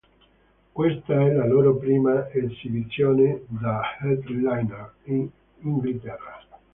Questa è la loro prima esibizione da "headliner" in Inghilterra.